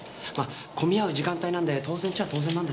混み合う時間帯なんで当然っちゃ当然なんですけど。